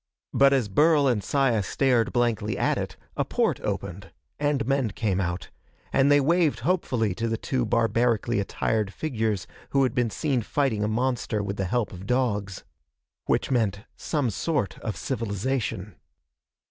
But as Burl and Saya stared blankly at it, a port opened, and men came out, and they waved hopefully to the two barbarically attired figures who had been seen fighting a monster with the help of dogs. Which meant some sort of civilization.